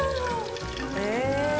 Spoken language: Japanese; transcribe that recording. え？